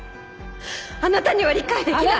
あなたには理解できない！